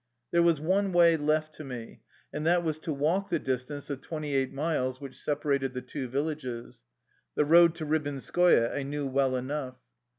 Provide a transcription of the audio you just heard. There was one way left to me, and that was to walk the distance of twenty eight miles which separated the two villages. The road to Ribinskoye I knew well enough.